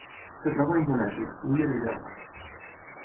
Es troba a Indonèsia: l'illa de Java.